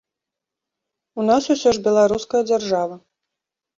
У нас усё ж беларуская дзяржава.